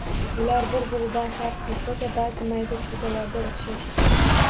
Ular bir-biridan farq qilsa-da, ba`zi mayda-chuydalarda o`xshash